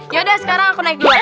yaudah sekarang aku naik dia